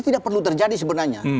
tidak perlu terjadi sebenarnya